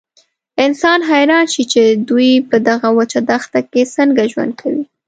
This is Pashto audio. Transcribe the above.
انسان حیران شي چې دوی په دغه وچه دښته کې څنګه ژوند کوي.